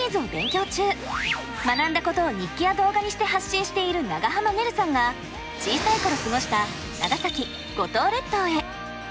学んだことを日記や動画にして発信している長濱ねるさんが小さい頃過ごした長崎・五島列島へ。